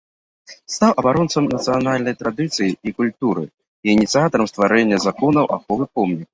Стаў абаронцам нацыянальных традыцый і культуры і ініцыятарам стварэння закону аховы помнікаў.